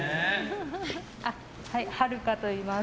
はるかといいます。